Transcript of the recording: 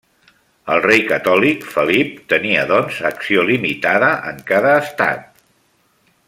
El rei catòlic, Felip, tenia doncs acció limitada en cada Estat.